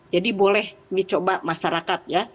jadi boleh dicoba masyarakat